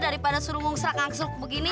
daripada suruh ngungsrak angsruk begini